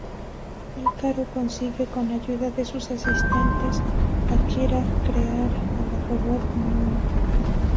Ícaro consigue, con ayuda de su asistente Akira, crear a la robot Naomi.